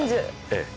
ええ。